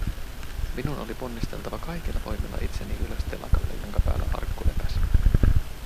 Minun oli ponnisteltava kaikilla voimilla itseni ylös telakalle, jonka päällä arkku lepäsi.